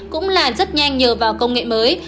cũng là rất nhanh nhờ vào công nghệ mới